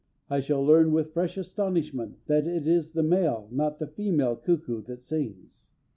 I shall learn with fresh astonishment that it is the male, and not the female, cuckoo that sings.